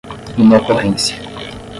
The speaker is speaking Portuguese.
inocorrência